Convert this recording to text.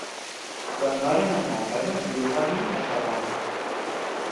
Quan varen anar a casa li ho va dir a sa mare.